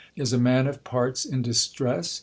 Is a man of parts in distress ?